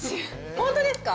ホントですか？